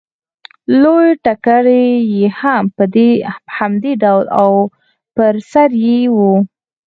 لوی ټکری یې هم په همدې ډول و او پر سر یې و